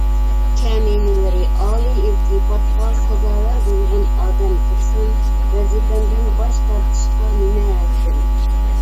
كەمىنىلىرى ئالىي ئىلتىپاتقا سازاۋەر بولغان ئادەم تۇرسام، ۋەزىپىدىن باش تارتىشقا نېمە ھەددىم؟